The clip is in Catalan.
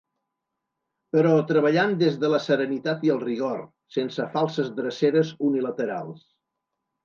Però treballant des de la serenitat i el rigor, sense falses dreceres unilaterals.